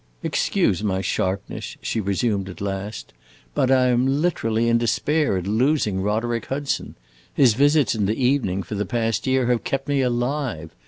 "Excuse my sharpness," she resumed at last. "But I am literally in despair at losing Roderick Hudson. His visits in the evening, for the past year, have kept me alive.